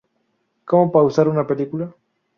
Como pausar una película.